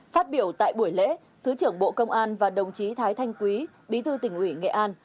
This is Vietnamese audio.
phát biểu tại buổi lễ thứ trưởng bộ công an và đồng chí thái thanh quý bí thư tỉnh ủy nghệ an